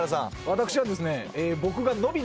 私はですね。